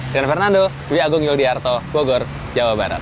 dengan fernando w agung yuldiarto bogor jawa barat